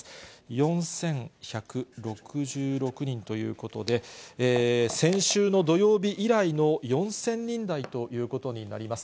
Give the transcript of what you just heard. ４１６６人ということで、先週の土曜日以来の４０００人台ということになります。